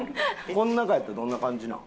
この中やったらどんな感じなん？